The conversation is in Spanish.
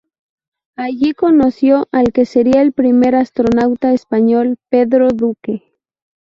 Allí conoció al que sería el primer astronauta español, Pedro Duque.